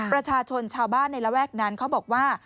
ประชาชนชาวบ้านในระแวกนั้นเขาบอกว่า